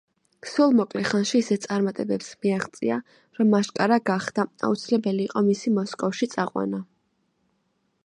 სულ მოკლე ხანში ისეთ წარმატებებს მიაღწია, რომ აშკარა გახდა: აუცილებელი იყო მისი მოსკოვში წაყვანა.